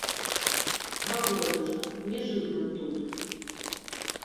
Гаворым жа, не жыў ён тут.